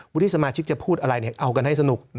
ที่สมาชิกจะพูดอะไรเอากันให้สนุก